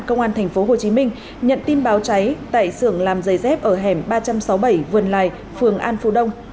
công an tp hcm nhận tin báo cháy tại sưởng làm giày dép ở hẻm ba trăm sáu mươi bảy vườn lài phường an phú đông